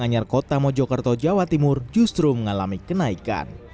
anyar kota mojokerto jawa timur justru mengalami kenaikan